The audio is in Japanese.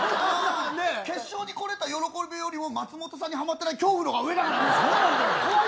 決勝にこれた喜びよりも松本さんにはまってない恐怖の方が上だからね。